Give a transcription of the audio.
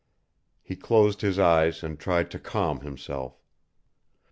He closed his eyes and tried to calm himself.